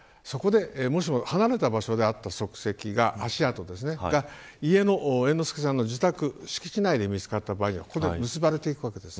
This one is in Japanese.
ただそこで、もしも離れた場所であった足跡が家の猿之助さんの自宅、敷地内で見つかった場合には結ばれていくわけです。